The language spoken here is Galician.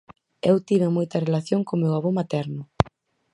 Eu tiven moita relación co meu avó materno.